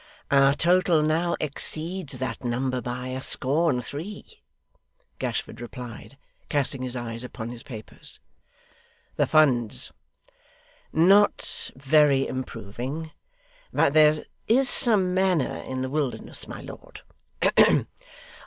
'Our total now exceeds that number by a score and three,' Gashford replied, casting his eyes upon his papers. 'The funds?' 'Not VERY improving; but there is some manna in the wilderness, my lord.